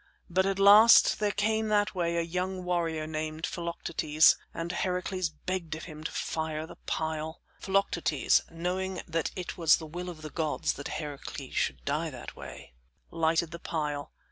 But at last there came that way a young warrior named Philoctetes, and Heracles begged of him to fire the pile. Philoctetes, knowing that it was the will of the gods that Heracles should die that way, lighted the pile.